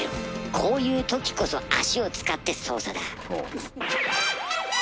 こういう時こそ足を使って捜査だ！